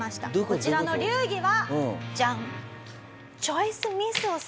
こちらの流儀はジャン。